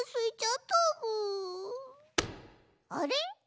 ・あれ？